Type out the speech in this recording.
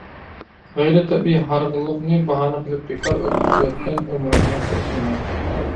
غەيرىي تەبىئىي «ھارغىنلىق »نى باھانە قىلىپ بىكار ئۆتكۈزۈۋەتكەن ئۆمرۈمگە ئۆكۈنىمەن.